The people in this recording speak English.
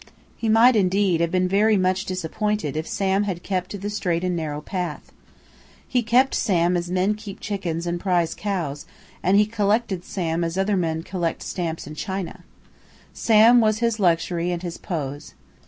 He might indeed have been very much disappointed if Sam had kept to the straight and narrow path. He "kept" Sam as men keep chickens and prize cows, and he "collected" Sam as other men collect stamps and china. Sam was his luxury and his pose.